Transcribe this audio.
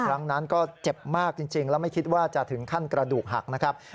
ครั้งนั้นก็เจ็บมากจริงแล้วไม่คิดว่าจะถึงขั้นกระดูกหักนะครับ